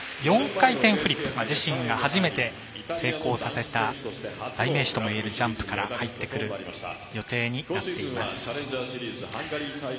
４回転フリップは自身が初めて成功させた代名詞ともいえるジャンプから入ってくる予定になっています。